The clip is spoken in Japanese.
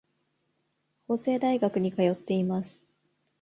法政大学に通っています。